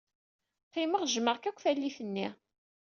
Qqimeɣ jjmeɣ-k akk tallit-nni.